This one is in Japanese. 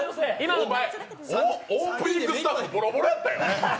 オープニングスタッフボロボロやったよ。